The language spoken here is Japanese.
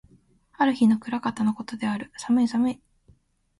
ある日の暮方の事である。寒い寒い。